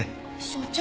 所長